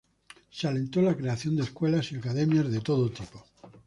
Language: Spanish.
Se alentó la creación de escuelas y academias de todo tipo.